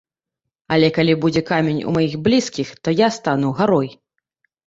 Але калі будзе камень у маіх блізкіх, то я стану гарой.